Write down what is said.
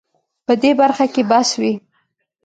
په دې برخه کې بس وي